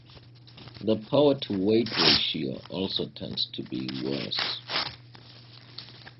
The power to weight ratio also tends to be worse.